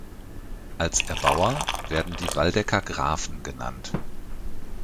Als Erbauer werden die Waldecker Grafen genannt.